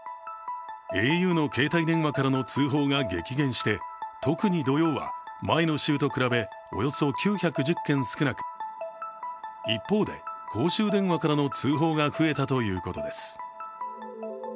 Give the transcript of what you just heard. ａｕの携帯電話からの通報が激減して特に土曜は前の週と比べおよそ９１０件少なく、一方で公衆電話からの通報が増えたということです。